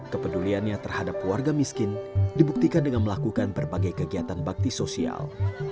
kepeduliannya terhadap warga miskin dibuktikan dengan melakukan berbagai kegiatan bakti sosial